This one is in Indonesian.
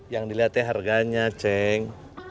yang dilihatnya harganya ceng